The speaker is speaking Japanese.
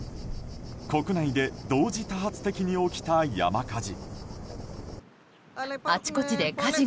国内で同時多発的に起きた山火事。